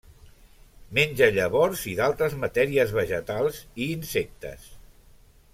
Menja llavors i d'altres matèries vegetals, i insectes.